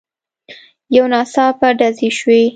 يو ناڅاپه ډزې شوې.